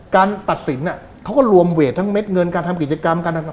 การตัดสินเขาก็รวมเวตทั้งเม็ดเงินการทำกิจกรรม